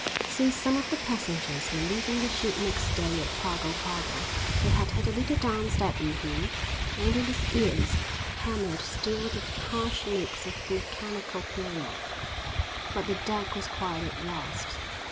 Since some of the passengers were leaving the ship next day at Pago Pago they had had a little dance that evening and in his ears hammered still the harsh notes of the mechanical piano. But the deck was quiet at last.